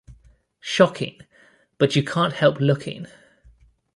Shocking, but you can't help looking!